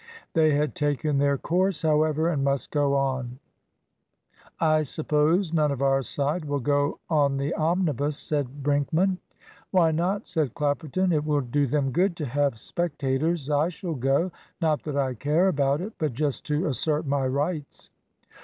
They had taken their course, however, and must go on. "I suppose none of our side will go on the omnibus," said Brinkman. "Why not?" said Clapperton. "It will do them good to have spectators. I shall go; not that I care about it, but just to assert my rights."